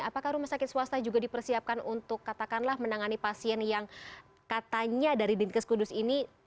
apakah rumah sakit swasta juga dipersiapkan untuk katakanlah menangani pasien yang katanya dari dinkes kudus ini